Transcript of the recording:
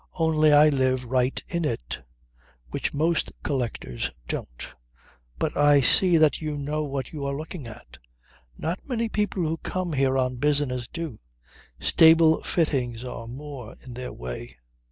"Only I live right in it, which most collectors don't. But I see that you know what you are looking at. Not many people who come here on business do. Stable fittings are more in their way."